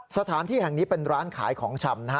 สถานที่แห่งนี้เป็นร้านขายของชำนะฮะ